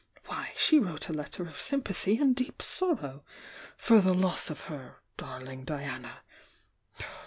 Why she wrote a letter of sympathy and 'deep sor row for the loss of her 'darling Diana!'